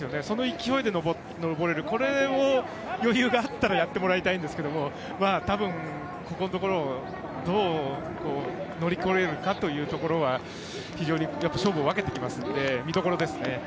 その勢いで上れるこれを余裕があったらやってもらいたいんですけど多分、ここのところをどう乗り越えられるかってところは非常に勝負を分けてきますので見どころですよね。